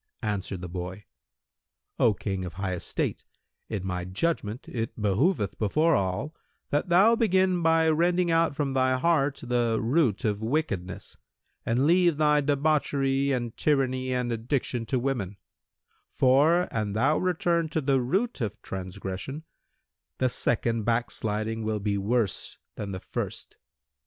Answered the boy, "O King of high estate, in my judgment it behoveth before all, that thou begin by rending out from thy heart the root of wickedness and leave thy debauchery and tyranny and addiction to women; for, an thou return to the root of transgression, the second backsliding will be worse than the first."